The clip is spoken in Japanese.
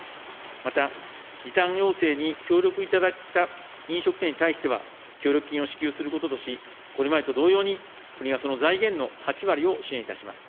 また、時短要請に協力いただいた飲食店に対しては、協力金を支給することとし、これまでと同様に国はその財源の８割を支援いたします。